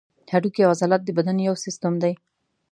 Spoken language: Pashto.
هډوکي او عضلات د بدن یو سیستم دی.